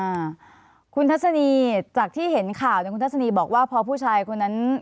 อ่าคุณทัศนีจากที่เห็นข่าวเนี่ยคุณทัศนีบอกว่าพอผู้ชายคนนั้น